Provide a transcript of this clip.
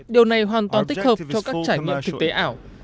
điều này hoàn toàn tích hợp cho các trải nghiệm thực tế ảo